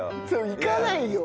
行かないよ！